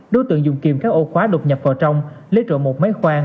đối tượng dùng kiềm các ô khóa đột nhập vào trong lấy trộm một máy khoan